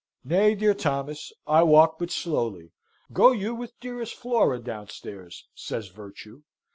"Nay, dear Thomas, I walk but slowly. Go you with dearest Flora downstairs," says Virtue.